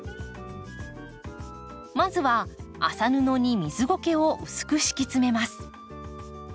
まずは麻布に水ゴケを薄く敷き詰めます。